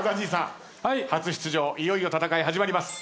いよいよ戦い始まります。